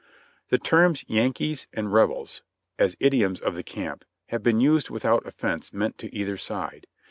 The terms "Yankees" and "Rebels," as idioms of the camp, have been used without offense meant to either side.